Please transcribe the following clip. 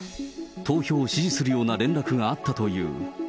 投票を指示するような連絡があったという。